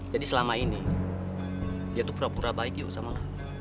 jadi selama ini dia tuh pura pura baik yuk sama lo